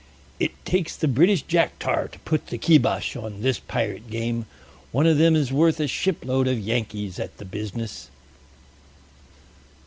"It takes the British jack tar to put the kibosh on this pirate game. One of them is worth a shipload of Yankees at the business."